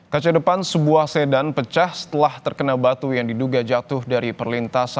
kaca depan sebuah sedan pecah setelah terkena batu yang diduga jatuh dari perlintasan